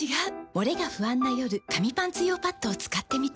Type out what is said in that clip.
モレが不安な夜紙パンツ用パッドを使ってみた。